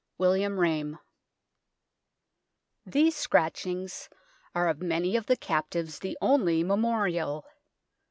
William Rame. These scratchings are of many of the captives the only memorial.